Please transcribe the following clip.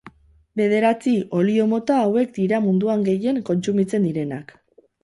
Bederatzi olio mota hauek dira munduan gehien kontsumitzen direnak.